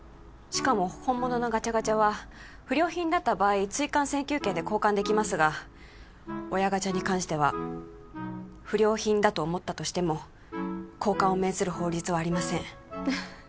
しかも本物のガチャガチャは不良品だった場合追完請求権で交換できますが親ガチャに関しては不良品だと思ったとしても交換を命ずる法律はありません